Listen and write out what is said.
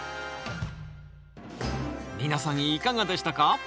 皆さんいかがでしたか？